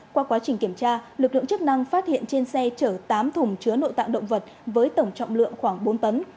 qua quá trình kiểm tra lực lượng chức năng phát hiện trên xe chở tám thùng chứa nội tạng động vật với tổng trọng lượng khoảng bốn tấn